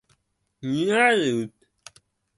肘のあたりを持つ。